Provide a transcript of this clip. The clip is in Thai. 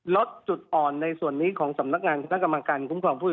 ลดจุดอ่อนในส่วนนี้ของสำนักงานขณะการมากกันผู้ปลอดภัย